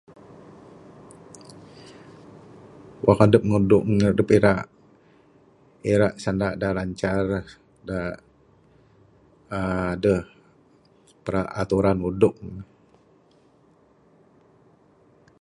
Wang adup ngudung, adup irak, irak sanda' da lancar, dak aduh peraturan ngudung.